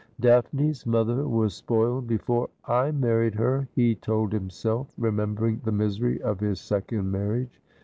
' Daphne's mother was spoiled before I married her,' he told himself, remembering the misery of his second marriage.